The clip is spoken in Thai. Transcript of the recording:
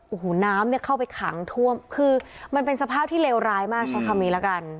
โอ้โหน้ำเนี่ยเข้าไปขังท่วมคือมันเป็นสภาพที่เลวร้ายมากใช้คำนี้ละกัน